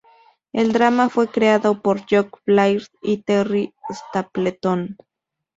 El drama fue creado por Jock Blair y Terry Stapleton.